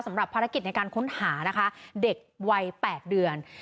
สำหรับภารกิจในการค้นหานะคะเด็กวัย๘เดือน